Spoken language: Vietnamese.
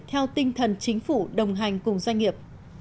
theo tinh thần chính phủ đồng hành cùng doanh nghiệp